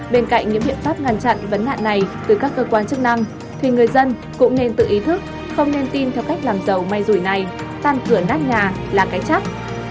bên cạnh những biện pháp ngăn chặn vấn nạn này từ các cơ quan chức năng thì người dân cũng nên tự ý thức không nên tin theo cách làm giàu may rủi này tan cửa nát nhà là cái chắc